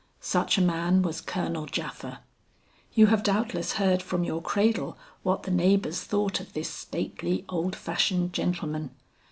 Such a man was Colonel Japha. You have doubtless heard from your cradle what the neighbors thought of this stately, old fashioned gentleman.